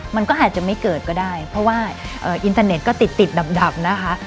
มันก็อาจจะไม่เกิดก็ได้เพราะว่าอินเทอร์เน็ตก็ติดติดดับนะคะ